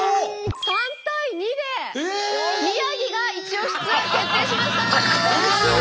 ３対２で宮城がイチオシツアー決定しました！